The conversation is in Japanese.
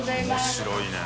面白いね